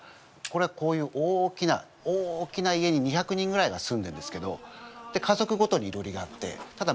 これはこういう大きな大きな家に２００人ぐらいが住んでるんですけど家族ごとにいろりがあってただ間仕切りがないんですよ。